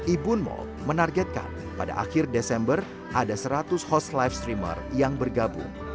ibun mall menargetkan pada akhir desember ada seratus host live streamer yang bergabung